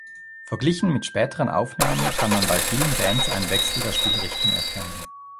Verglichen mit späteren Aufnahmen kann man bei vielen Bands einen Wechsel der Stilrichtung erkennen.